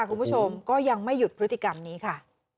คุณผู้ชมก็ยังไม่หยุดพฤติกรรมนี้ค่ะ